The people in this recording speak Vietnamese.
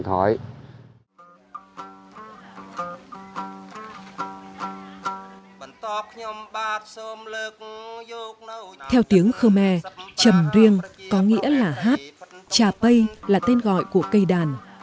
khmer chầm riêng có nghĩa là hát chapey là tên gọi của cây đàn